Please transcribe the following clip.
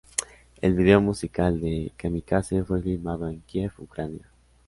El video musical de ""Kamikaze"" fue filmado en Kiev, Ucrania.